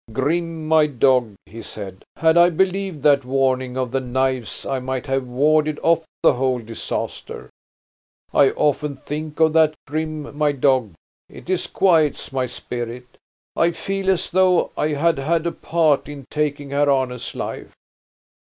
"Grim, my dog," he said, "had I believed that warning of the knives I might have warded off the whole disaster. I often think of that, Grim, my dog. It disquiets my spirit, I feel as though I had had a part in taking Herr Arne's life.